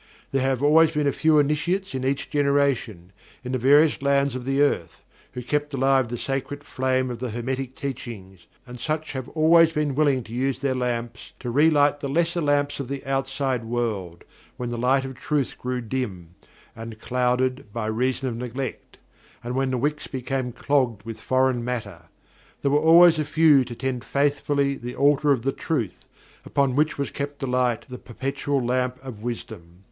There have always been a few Initiates in each generation, in the various lands of the earth, who kept alive the sacred flame of the Hermetic Teachings, and such have always been willing to use their lamps to re light the lesser lamps of the outside world, when the light of truth grew dim, and clouded by reason of neglect, and when the wicks became clogged with foreign matter. There were always a few to tend faithfully the altar of the Truth, upon which was kept alight the Perpetual Lamp of Wisdom.